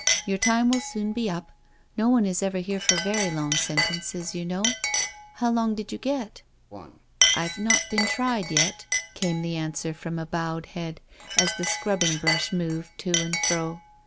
Your time will soon b^ up— no ouQ is ever here for very long sentences, you know. How long did you get?'^ "I've not been tried yet," came the answer from a bowed head, as the scrubbing brush moved to and fro.